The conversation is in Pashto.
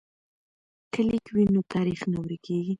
که لیک وي نو تاریخ نه ورکیږي.